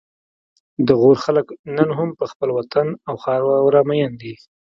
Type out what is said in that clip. د غور خلک نن هم په خپل وطن او خاوره مین دي